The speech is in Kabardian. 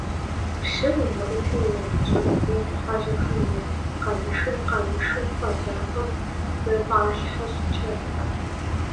Пщым унэӀутым иригъэщӏэн хуейт хьэщӀэхэм я къамышыр къамышы фӀэдзапӀэм зэрыфӀалъхьэ щӀыкӀэр.